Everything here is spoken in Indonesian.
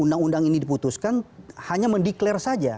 undang undang ini diputuskan hanya mendeklarasi saja